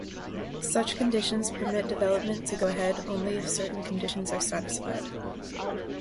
Such conditions permit development to go ahead only if certain conditions are satisfied.